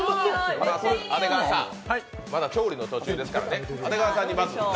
まだ調理の途中ですから。